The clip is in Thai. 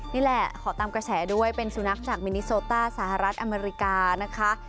นี่แหละขอตามกระแสด้วยเป็นสุนัขจากมินิโซต้าสหรัฐอเมริกานะคะ